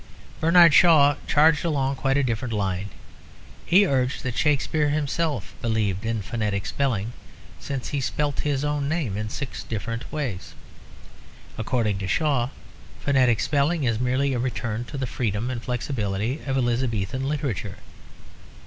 Bernard Shaw charged along quite a different line; he urged that Shakespeare himself believed in phonetic spelling, since he spelt his own name in six different ways. According to Shaw, phonetic spelling is merely a return to the freedom and flexibility of Elizabethan literature.